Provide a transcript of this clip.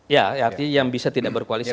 ya artinya yang bisa tidak berkoalisi